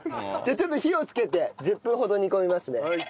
ちょっと火をつけて１０分ほど煮込みますね。